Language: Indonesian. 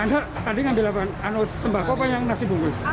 anda tadi mengambil apa anus sembako apa yang nasi bungkus